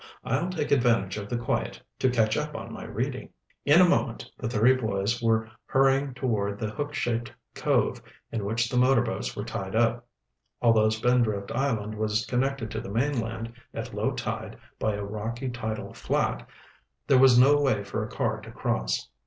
"I'll take advantage of the quiet to catch up on my reading." In a moment the three boys were hurrying toward the hook shaped cove in which the motorboats were tied up. Although Spindrift Island was connected to the mainland at low tide by a rocky tidal flat, there was no way for a car to cross.